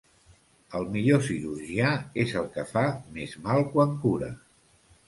El millor cirurgià és el que fa més mal quan cura.